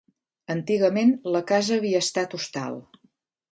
Antigament la casa havia estat hostal.